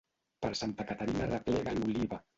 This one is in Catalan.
Per Santa Caterina arreplega l'oliva.